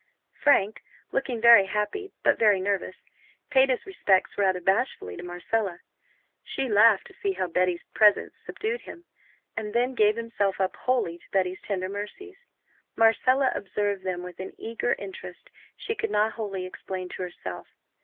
Frank, looking very happy, but very nervous, paid his respects rather bashfully to Marcella she laughed to see how Betty's presence subdued him and then gave himself up wholly to Betty's tender mercies. Marcella observed them with an eager interest she could not wholly explain to herself.